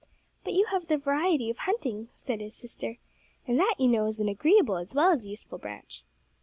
"But you have the variety of hunting," said his sister, "and that, you know, is an agreeable as well as useful branch."